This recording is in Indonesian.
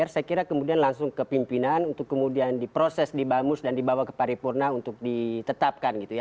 saya kira kemudian langsung ke pimpinan untuk kemudian diproses di bamus dan dibawa ke paripurna untuk ditetapkan gitu ya